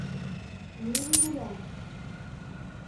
Мин бүләм!